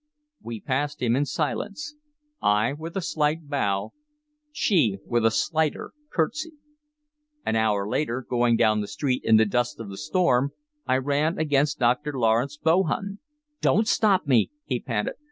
We passed him in silence, I with a slight bow, she with a slighter curtsy. An hour later, going down the street in the dusk of the storm, I ran against Dr. Lawrence Bohun. "Don't stop me!" he panted.